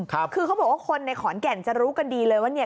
คือเขาบอกว่าคนในขอนแก่นจะรู้กันดีเลยว่าเนี่ย